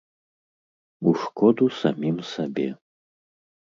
У шкоду самім сабе.